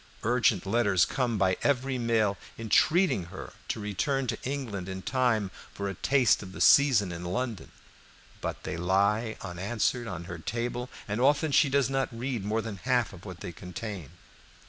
Urgent letters come by every mail entreating her to return to England in time for a taste of the season in London, but they lie unanswered on her table, and often she does not read more than half of what they contain.